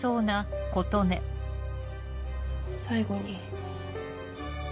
最後に。